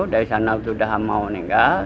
dari sana sudah mau meninggal